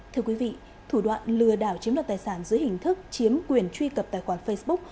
thưa quý vị thủ đoạn lừa đảo chiếm đoạt tài sản dưới hình thức chiếm quyền truy cập tài khoản facebook